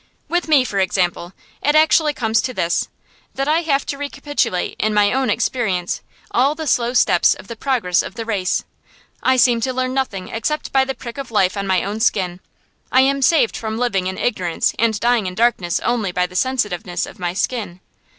With me, for example, it actually comes to this: that I have to recapitulate in my own experience all the slow steps of the progress of the race. I seem to learn nothing except by the prick of life on my own skin. I am saved from living in ignorance and dying in darkness only by the sensitiveness of my skin.